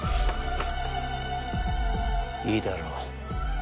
いいだろう。